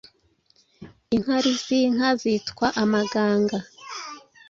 Inkari z’inka zitwa Amaganga